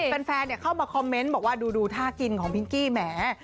แฟนเข้ามาคอมเมนต์บอกว่าดูท่ากินของพิงกี้แหม